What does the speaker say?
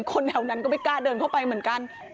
คนแถวนั้นก็ไม่กล้าเดินเข้าไปเหมือนกัน